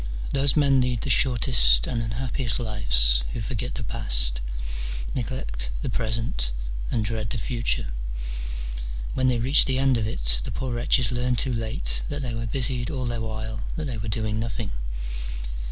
Those men lead the shortest and unhappiest lives who forget the past, neglect the present, and dread the future : when they reach the end of it the poor wretches learn too late that they were busied all the while that they were doing nothing.